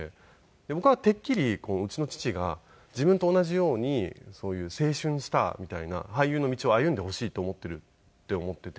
僕はてっきりうちの父が自分と同じようにそういう青春スターみたいな俳優の道を歩んでほしいと思っているって思っていて。